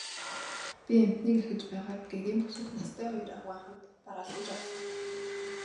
Би амьтныг ажиж байгааг гэгээн багшид настай хоёр авгайн хамт бараалхаж орлоо.